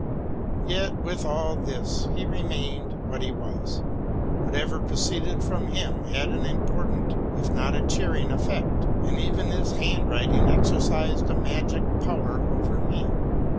Yet, with all this, he remained what he was: whatever proceeded from him had an important, if not a cheering, effect ; and even his handwriting exercised a magie power over me.